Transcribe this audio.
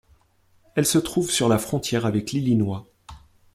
Elle se trouve sur la frontière avec l'Illinois.